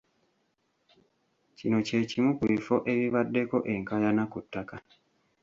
Kino kye kimu ku bifo ebibaddeko enkaayana ku ttaka.